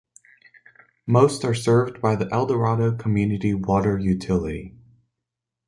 Most are served by the Eldorado community water utility.